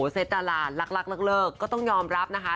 เซตารานรักเลิกก็ต้องยอมรับนะคะ